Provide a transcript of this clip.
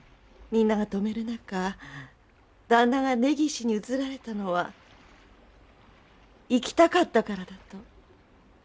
みんなが止める中旦那が根岸に移られたのは生きたかったからだと。